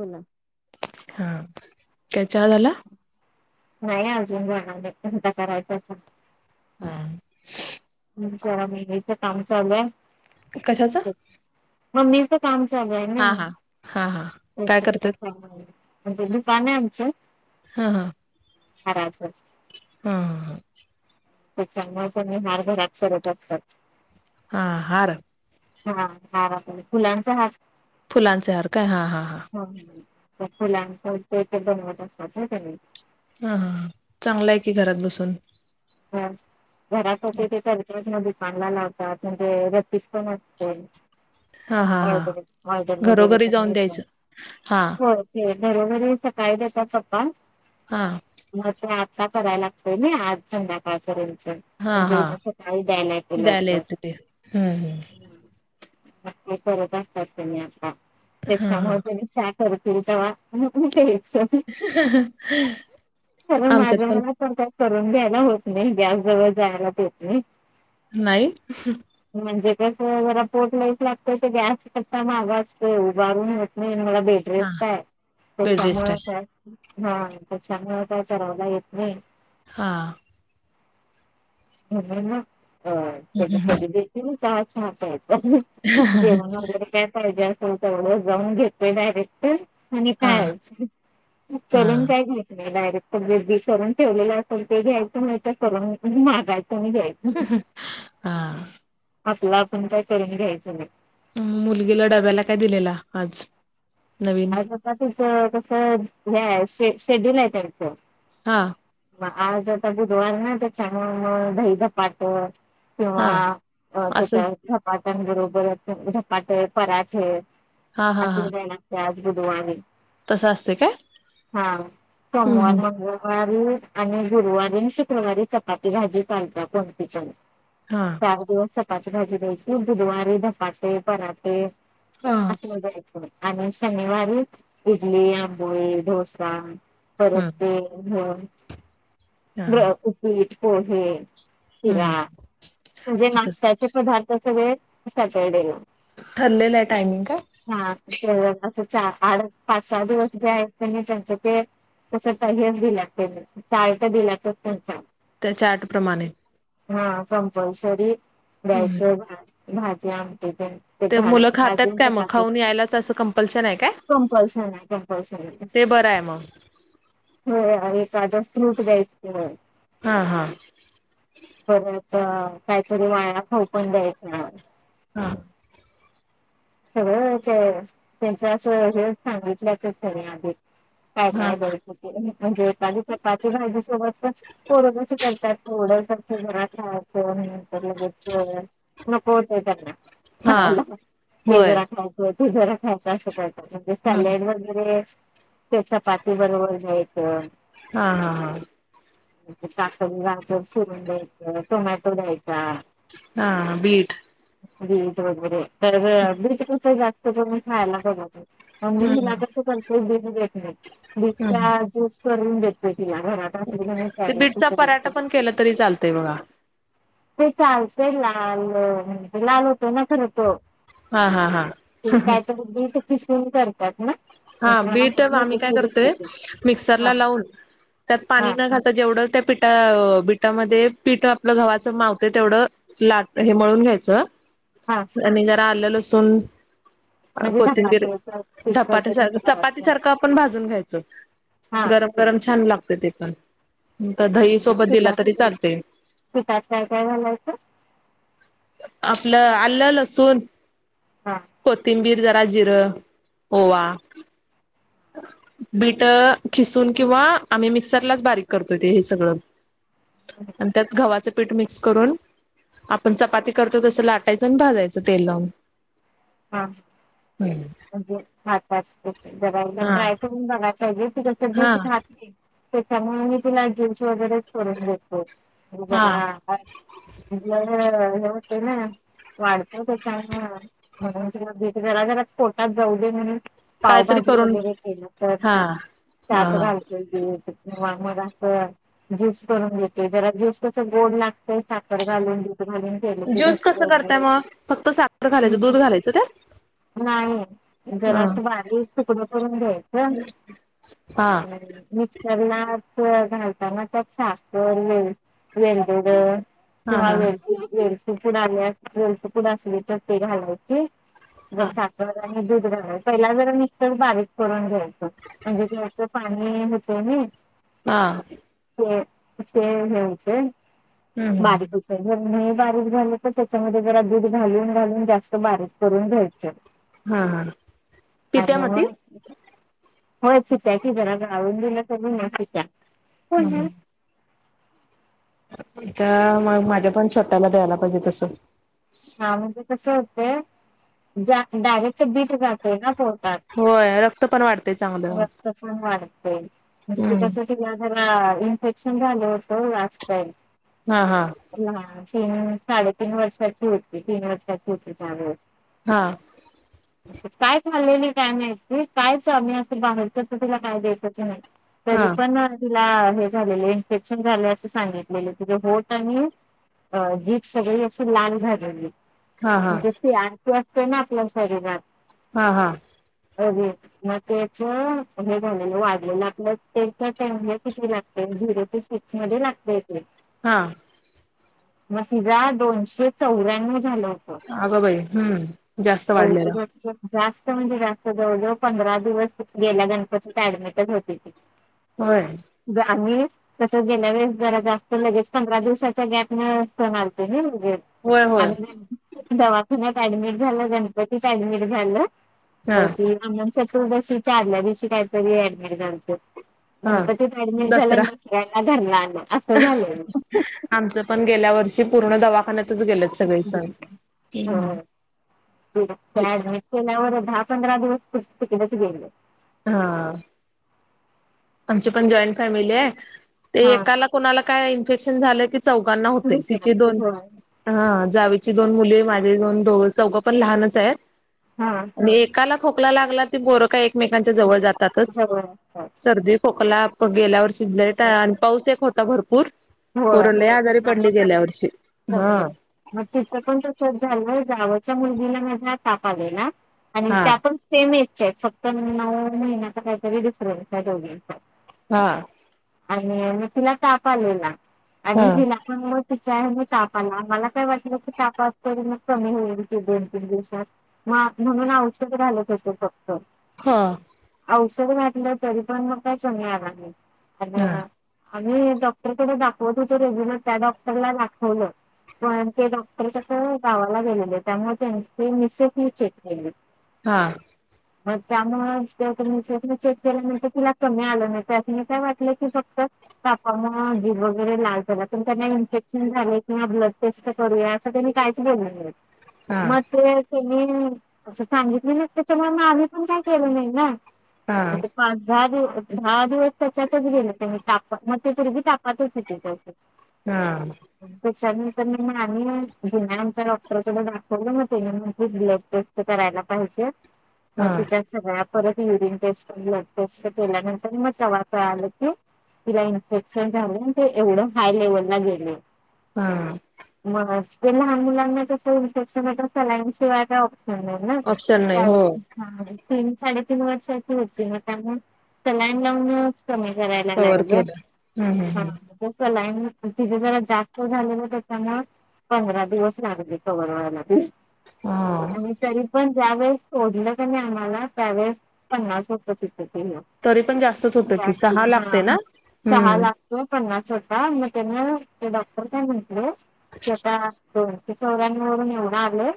हो ना हा चहा झाला? नाही अजून झाला [unintelligible] हा [unintelligible] या्याचं काम चालूय कशाच? [unintelligible] काम चालू आहे ना हा हा त्याच काय करतात? आहे. म्हणजे दुकान आहे आमचं हा हा हाराच हा हा [unintelligible] चा नि हार घरात करत असतात. हा हार हा हार आपण फुलांचा हार. फुलांचे हर काय हा हा हा फुलां ते तर बनवत असतात त्यां [unintelligible] हा हा चांगलाय की घरात बसून हा घरा क तेच न [unintelligible] पांला लावतात म्हणजे व्यतीच पण असते हा [unintelligible] हा हा वैदन मैदान वगैरे घरोघरी पण जाऊन घ्याच्या द्यायचं हा हो ते [unintelligible] घरोघरी सकाळी देतात पप्पा हा मग ते आता कराय लागतय नाही आज संध्याकाळपर्यंत हा म्हणजे हा उदस काही द्यायला ते द्यायला लवक येतं ते हम्म हम्म ते करत असतात तुम्ही आता हा हा त्याच्यामध्ये कर तवा कार आमच्यात माझं पण मलाचत करून द्यायला होत नाही गॅस जवळ जायला देत नाही नाही जस जरा पोटयच लागत गॅस मगा असत उभारून नाही बेडरेस हा का आहे बेड रेस्ट त्याच्यामुळेच आहे हा तर छानता चरावला येत नाही हा म्हण अ क हम्म हम्म दे का छहा जेवण वगैरे काय पाहिजे असेल तेवढं जाऊन घेतोय डायरेक्ट आणि हा काय हा करून काय घ डरी करून ठेवले असेल ते घ्यायच मा करून मागायचं आणि घ्यायचं. हा आपला आपण काय करून घ्यायचं नाही मुलगीला डब्याला काय दिलेला आज नवीन आ तुचं कसं हे शेड्यूल आहे त्यांचं हा आजता बुधवार ना ते छान दही पाटो हा किंवा असं त्याच्या झपाट्यांबरोबरच झपाटे पराचेे हा हा हा गुधव तसं असते काय? हा हम्म सोमवार हम्म म ग ू आणि गुरुवारी आणि शुक्रवारी चपाती भाजी चालतात पणतीच्या हा. चार दिवस चपटी भाजी द्यायची बुधवारी झधपाटे पराटे हा. असं मजा य आणि शनिवारी इडली आंबोळी डोसा हम्म परतते घे हा ब उपीट पोहे हम्म शिरा हम्म म्हणजे असं. नाशत्याचे पदार्थ सगळे सचडेला ठरलेलं आहे टायमिंग का? हा आड पाच सहा दिवस जे आहेत त्यांनी त्यांच केअर तस तर दिला त्यांनी चाळता दिलात त्यांचा त्या चारटप्रमाणे हा कंपल्सरी हम्म द्यायचं भाज्या ते मुलं खातात काय भाजच मग काप खाऊन यायलाच असं कंपल्शन आहे काय? कमपलशरी नाही कमपलश ते बरं आहे मग हो साझं फ्रूट द्यायचं हा हा तर काहीतरी वाळा खाऊ पण जायच ना हा सगळं त्यांच्या अस हेच सांगितलंत त्यानी आधी काय हा काय द म्हणजे एखादी चपाती भाजी सोबत पणोग करतात थोड भरा ख लेच नको होते हा त्यांना [unintelligible] ते होय. जरा खायच ते जरा खायचा असं करतात म्हणजे हा. सॅलेड वगैरे त्या चपाती बरोबर घ्यायचं हा हा हा. काकडी, गाजर चिरून द्यायचं टोमॅटो द्यायचा. हा बीट. बीट वगैरे तर बीट कस जात? मी खायला बघतो मी हम्म. हिला कस करतोय बीट देत नाई हम्म बीटव्हा जूस करून देत तिला घरात आपला ते त्यायला बीटचा तस पराठा द पण केला तरी चालतय बघा [unintelligible] ते चालतंय लाल म्हण लाल होतोय ना खरं तो हा हा ते हा. काय तर तर किसून करतात ना? हा म्हणजे मला बीट माहित नाही आम्ही काय त्याची करतोय रेसिपी हा मिक्सरला लावून त्यात पाणी हा न घालता जेवढं त्या पिटा मध्ये पिठ आपलं गवा्हाचं मावते तेवढं लाट हे मळून घ्यायचं हा आणि जरा आलं असून म्हणजे ज [unintelligible] धपाट्या चपाती सारखं आपण भाजून घ्यायचं, हा गरम गरम छान लागत ते पण तर दही म्हणजे सोबत दिला पिठात तरी चालतय पिठात काय काय घालायचं आपलं आलंलसून हा कोथिंबीर जरा जिरं, होवा बीट खिसून किंवा आम्ही मिक्सरलाच बारीक करतो ते हे सगळं आणि त्यात गवाच, पीठ मिक्स करून आपण चपाती करतो, तसं लाटायचं आणि भाजायचं तेल लावून हा हम्म. म्हणजे हच जगयला हा ट्राय [unintelligible] करून बघा अग ती कसं हा बीट खात नाय, त्याच्यामुळे मी तीला ज्यू्स वगैरेच करन देतो ह हा ह अ हे होते ना वाढतय का चांग [unintelligible] म्हणून बिट जरा जरा पोटात जाऊ दे म्हणून कायतरी पावभाजी करून वगैरे केला तर हा हा त्यात घालतोय बिट मग ज्यूस करून घेते जरा ज्यूस कस गोड लागतय साखर घालून घालून केलं की ज्यूस घट्ट कसं होतं. करताय मग फक्त साखर घालायचं दूध घालायचं का? नाही जरा असं बारीक तूकडं करून घ्यायचं हा हम्. ला घालताना त्यात साखर, वेलदोडे हा किंवा हा वे वेलची पूड आणि वेलची पुड असली तर ती घालायची जर हा साखर आणि दूध घालायचं पहिला जरा मिश्रण बारीक करून घ्यायचं म्हणजे पाणी होत ना हा. स ह हम्म बारीक [unintelligible] नी बारीक झालं, तर त्याच्यामध्ये जरा दूध घालून घालून जास्त बारीक करून घ्यायचे हा हा पित्या म ती? मग होय पित्याकी जराजरा गाळून दिलं कि नाही पित्या ता मग माझ्या पण छोट्याला द्यायला पाहिजे तस हा म्हणजे कस होते डायरेक्ट बीट जाते न तो होय रक्त पण वाढतय चांगलं. वा म्हणे ते क हम्म [unintelligible] हा इन्फेक्शन झालं होतं लास्ट टाइम हा हा तीन साडेतीन वर्षाची होती, तीन वर्षाची होती त्यावेळेस हा. काय खाल्ले नाही काय नाही काय प्रॉब्लम असं बाहेरच तर तिला काय द्यायच नाही हा तरीपण हे झाले इन्फेक्शन झाले अस सांगितले तुे होत आणि अ जीप सगळी असशी लाल झालती हा हा म्हणज ती आणखी असते ना आपल्या शरीरात हा हा अग मग त्याच हे झालेलं वाढलेलं आपलं तेच्या हे लागते झिरो ते सिक्स मध्ये लागतय ते हा मग तिझे दोनशे चौऱ्यानव्ह झाले अगं बाई हम्म जास्त वाढलेलं जास्त म्हणजे, जास्त जवळ-जवळ पंधरा दिवस, गेल्या गणपतीत ऍडमिटच होती ती होय ग [inaudible] तस गेल्या वेळेस जरा जास्त लगेच पंधरा दिवसाच्या अंतरा ने सण आले होते होय- होय दवाखान्यात ऍडमिट झालं गणपतीत ऍडमिट झालं हा तर तू जशी चावथ्या दिवशी काहीतरी ऍडमीट हा गणपती ऍडमिट झाला दसरा दुसऱयाला घरी आणला, असं झालं ना आमचं पण गेल्या वर्षी पूर्ण दवाखाण्यात हो ते त्या ऍडमिट केल्या वर दहा मिनिट पंधरा दिवस पुढ तिकिटचे गेले हा आमची पण एकत्र कुटुंब आहे, आहे ते हा एकाला कोणाला काय संसर्ग झालं की चौघाना होतो दुसऱ्या तिचे दोन होय मुले, जावेची दोन मुली चोघे ही लहान आहेत, हा एकाला खोकला लागला की एकमेकांच्या जवळ जातातच जवळ असतात. सर्दी खोकला गेल्यावर शिजले आणि पाऊस येत होता भरपूर हो पोरं लय आजारी पडली गेल्या त्यामुळे वर्षी हा समिर मग तिचं पण तसच झालं जावंच मुलगीला माझ्या ताप आलेला हा आणित्या पण सेम वयाच्या फक्त नऊ महिन्याचा काहीतरी फरक आहे दोघीनच्या त हा आणि म तिला ताप आलेला हा आणि हिला पण मग त्या मुळे तापला आहे, मला काय वाटलं की ताप मग कमी होईल की दोन तीन दिवसात म्हणून औषध देतं होते फक्त हा औषध दिले तरी पण मग काय फरक पडला नाही हा आणि आम्ही डॉक्टरांन कडे दाखवत होतो रेग्युलर त्या डॉक्टरला दाखवलं पण ते डॉक्टरच गावाला गेलेले त्यामुळे त्यांची मिसेस त्यांनी चेक केले हा मग त्यामुळे चेक केल्यानंतर तिला कमी आलं नाही असं मी काय वाटलं की फक्त तापा मुळे व लाल झाला त त्यांना इन्फेक्शन झाले किंवा ब्लड टेस्ट करूया असं त्यांनी काहीच केले नाही हा मग ते मी असं सांगितलं ना त्याच्यामुळे मग आम्ही पण काय केलं नाही ना हा पाच दहा दिवसात दहा दिवस त्याच्यातच गेले, त्या तापात मग ती मुलगी तापातच होती हा त्यानंतर मग आम्ही जुन्या आमच्या डॉक्टरकडे दाखवलं मग ब्लड टेस्ट करायलासांगितल्या हा त्यांनी पाहिजेत परत युरिन टेस्ट, ब्लड टेस्ट, केल्यानंतर मग तेव्हा समजले की तिला संसर्ग झाला आहे ते एवढं हाय लेवलला गेले हा मग लहान मुलांना तसं इंसेप्शन सलाईन शिवाय काय ह ना ऑप्शन नाही हो हा तीन साडेतीन वर्ष अशी होतील मग त्यामुळे सलाईन लावूनच कमी करायला कव्हर लागल केलं हम्म हा हम्म हम्म तो सलाईन तिथे जरा जास्त झाले ना त्या मुळे पंधरा दिवस लागले कवर व्हायला हा आम्ही तरी पण ज्या वेळेस सोडलं कनी आम्हाला त्यावेळेस पन्नास [unintelligible] तरी पण जास्तच होतं हा की सहा हा लागते ना सहा हम्म लाख. पन्नास होता मग तेन ते डॉक्टर का म्हटले की आता दोनशे चौऱ्यानऊ वरून येवढ आले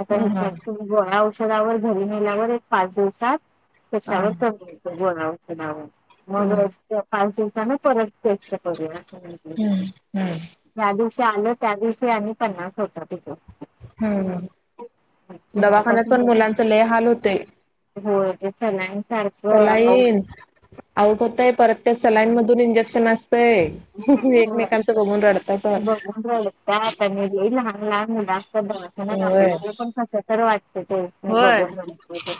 आता ह हेच्यातुन गोळ्या औषध धावर घरी नेल्यावर एक पाच दिवसात हा त्याच्यावर हम्म कमी येतय गोळ्या औषदावर मग अ हे पाच दिवसान परत तेच की बगुया हम्म त्या दिवशी ते आल त्या दिवशी आणि पन्नास होता तिथ हम्म दवाखान्यात तेव्हापासून पण मुलांच लय हाल होतयं. होय ते सलाईन सारखं सलाईन औषध आउट हुतय परत त्या सलाईन मदुन इंजेक्शन अस तय एकमेकांचं बगुन रडतायत. बगुन रडतायेत आणि लई लहान लहान मुल जास्त रडताना पण होय आपल्याला पण कस तर वाटतय तेस्नि होय बघून रडतान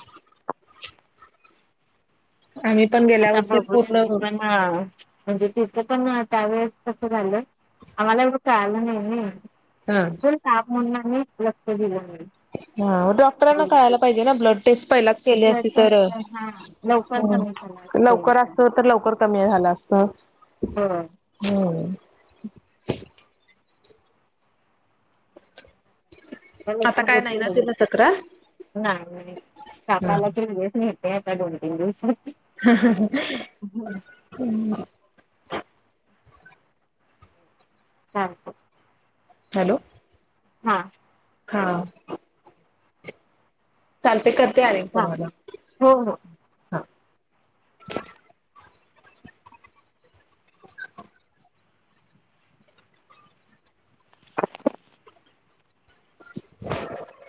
आम्ही पण गेल्या आता वर्षी बघू श पूर्ण पण ह. म्हणजे तिथं पण त्यावेेळेस तस झालं आमाला एवढं कळालं नई नई हा पण ताप हाय म्हणून मी लक्ष दिलं नई. हा डॉक्टरांना कळायला पाहिजे ना ब्लड टेस्ट पहिलाच केली ब्लड असते तर अ टेस्ट हा लवकर ह कमी झाला असता लवकर असतो होय तर लवकर कमी झालं असतं हम्म. आता लक्ष काय देत नाही ना तिला तक्रार? नाहीत ताप आला तर नेत नाइत ते आता दोन तीन दिवस [unintelligible] हा. हॅलो. हा. हा. चालतय करते आणि हा तुम्हाला हो हो. हा. [inaudible] [inaudible]